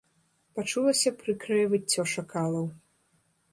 Пачулася прыкрае выццё шакалаў.